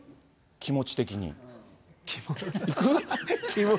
気持ち的にいく？